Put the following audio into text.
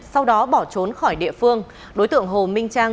sau đó bỏ trốn khỏi địa phương đối tượng hồ minh trang